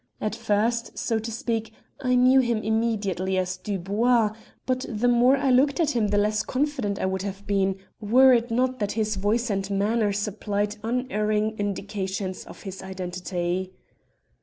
At first, so to speak, I knew him immediately as Dubois, but the more I looked at him the less confident I would have been were it not that his voice and manner supplied unerring indications of his identity.